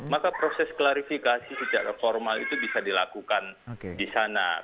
maka proses klarifikasi secara formal itu bisa dilakukan di sana